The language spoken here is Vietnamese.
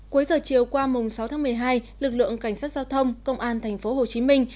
cuối giờ chiều qua sáu tháng một mươi hai lực lượng cảnh sát giao thông công an thành phố hồ chí minh